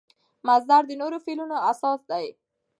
مصدر د نورو فعلونو اساس دئ.